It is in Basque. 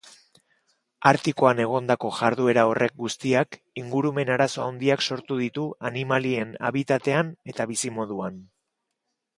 Artikoan egondako jarduera horrek guztiak ingurumen arazo handiak sortu ditu animalien habitatean eta bizimoduan.